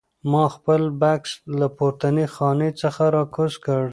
ما خپل بکس له پورتنۍ خانې څخه راکوز کړ.